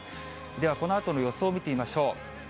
ではこのあとの予想を見てみましょう。